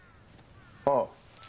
ああ。